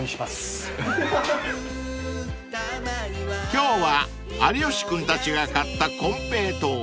［今日は有吉君たちが買ったコンペイトー］